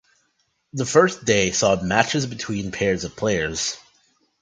The first day saw matches between pairs of players.